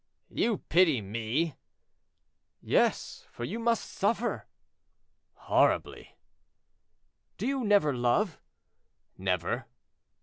"You pity me!" "Yes, for you must suffer." "Horribly." "Do you never love?" "Never."